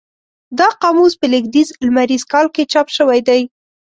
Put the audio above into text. دا قاموس په لېږدیز لمریز کال کې چاپ شوی دی.